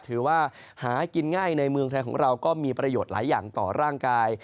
ถือว่าหากินง่ายในเมืองไทยของเราก็มีประโยชน์หลายอย่างต่อร่างกาย